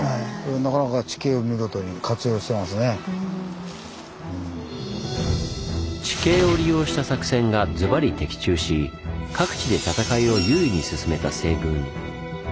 なかなか地形を利用した作戦がズバリ的中し各地で戦いを優位に進めた西軍。